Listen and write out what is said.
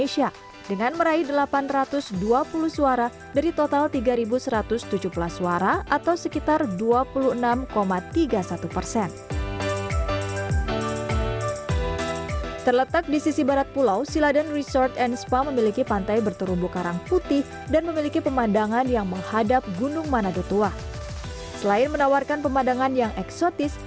selain menawarkan pemandangan yang eksotis